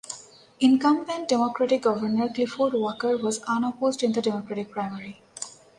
Incumbent Democratic Governor Clifford Walker was unopposed in the Democratic primary.